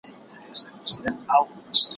دا گولۍ مي دي په سل ځله خوړلي